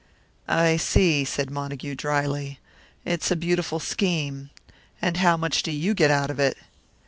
"I see," said Montague, drily. "It's a beautiful scheme. And how much do you get out of it?"